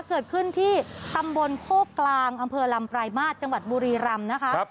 เกิดขึ้นที่ตำบลโคกกลางอำเภอลำปลายมาตรจังหวัดบุรีรำนะคะ